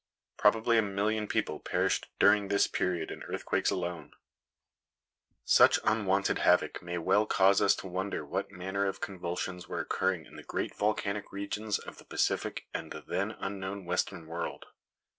Probably a million people perished during this period in earthquakes alone. Such unwonted havoc may well cause us to wonder what manner of convulsions were occurring in the great volcanic regions of the Pacific and the then unknown western world.